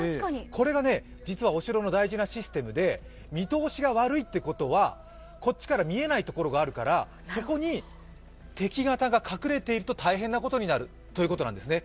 これがね、実はお城の大事なシステムで見通しが悪いということは、こっちから見えない所があるからそこに敵方が隠れていると大変なことになるということなんですね。